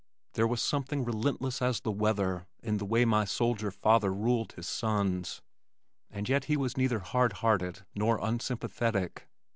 There was something relentless as the weather in the way my soldier father ruled his sons, and yet he was neither hard hearted nor unsympathetic.